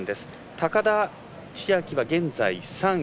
高田千明は現在３位。